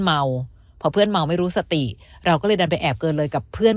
เมาพอเพื่อนเมาไม่รู้สติเราก็เลยดันไปแอบเกินเลยกับเพื่อน